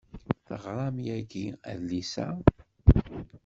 Teɣram yagi adlis-a.